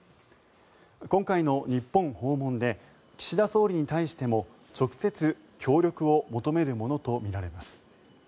今回の日本訪問で岸田総理に対しても直接、協力を求めるものとみられます。